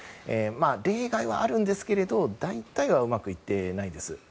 例外はあるんですが大体はうまくいっていないです。